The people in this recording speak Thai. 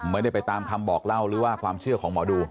ไม่ได้ไปตามคำบอกเล่าหรือว่าความเชื่อของหมอดู